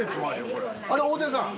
これあれ大竹さん